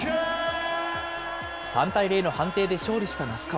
３対０の判定で勝利した那須川。